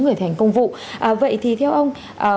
người thành công vụ vậy thì theo ông